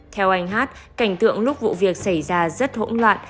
theo anh hát cảnh tượng lúc vụ việc xảy ra rất hỗn loạn